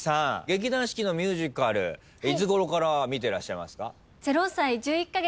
劇団四季のミュージカルいつごろから見てらっしゃいますか？